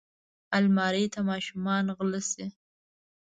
الماري ته ماشومان غله شي